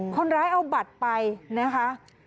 คนร้ายเอาบัตรไปนะคะ